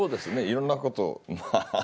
いろんなことまあ。